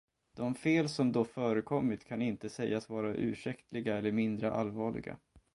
De fel som då förekommit kan inte sägas vara ursäktliga eller mindre allvarliga.